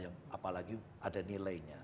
apalagi ada nilainya